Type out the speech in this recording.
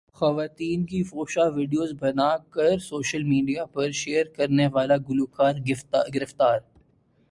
خواتین کی فحش ویڈیوز بناکر سوشل میڈیا پرشیئر کرنے والا گلوکار گرفتار